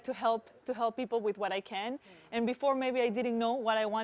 dan sebelumnya mungkin saya tidak tahu apa yang ingin saya lakukan